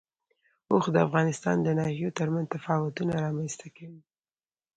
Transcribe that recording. اوښ د افغانستان د ناحیو ترمنځ تفاوتونه رامنځ ته کوي.